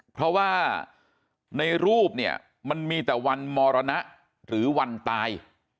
เพราะว่าในรูปเนี่ยมันมีแต่วันมรณะหรือวันตาย